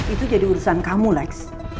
itu jadi urusan kamu lex